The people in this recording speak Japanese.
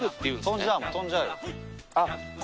飛んじゃうもん。